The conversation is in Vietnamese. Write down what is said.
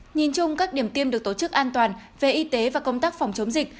nhìn chung các điểm tiêm được tổ chức an toàn về y tế và công tác phòng chống dịch